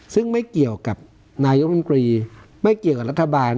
ซึ่งไม่เกี่ยวกับนายกรรมกรีไม่เกี่ยวกับรัฐบาล